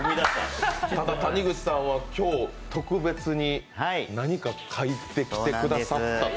谷口さんは今日、特別に何か描いてきてくださったと。